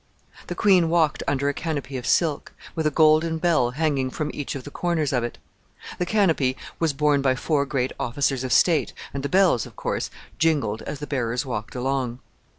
The queen walked under a canopy of silk, with a golden bell hanging from each of the corners of it. The canopy was borne by four great officers of state, and the bells, of course, jingled as the bearers walked along.